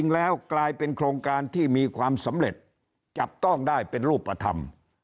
แล้วกลายเป็นโครงการที่มีความสำเร็จจับต้องได้เป็นรูปธรรม